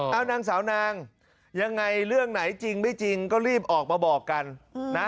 เอานางสาวนางยังไงเรื่องไหนจริงไม่จริงก็รีบออกมาบอกกันนะ